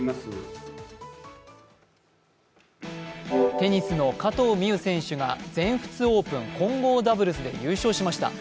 テニスの加藤未唯選手が全仏オープン混合ダブルスで優勝しました。